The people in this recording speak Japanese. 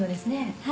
はい。